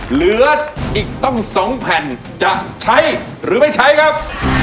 เหลืออีกตั้ง๒แผ่นจะใช้หรือไม่ใช้ครับ